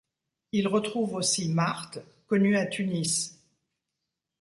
Il retrouve aussi Marthe, connue à Tunis.